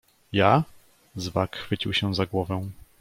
"Ja?“ Zwak chwycił się za głowę."